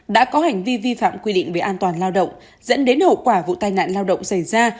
đã có hành vi vi phạm quy định về an toàn lao động dẫn đến hậu quả vụ tai nạn lao động xảy ra